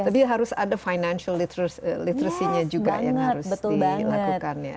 tapi harus ada financial literacy nya juga yang harus dilakukan ya